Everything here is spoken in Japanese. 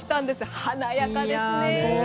華やかですね。